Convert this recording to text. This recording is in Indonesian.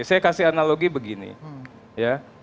saya kasih analogi begini ya